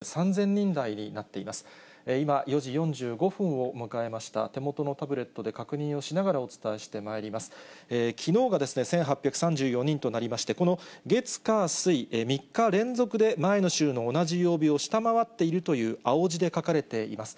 機能が１８３４人となりまして、この月、火、水、３日連続で前の週の同じ曜日を下回っているという青字で書かれています。